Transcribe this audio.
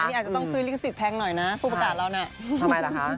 นี่อาจจะต้องซื้อลิขสิทธิแพงหน่อยนะผู้ประกาศเราน่ะทำไมล่ะคะ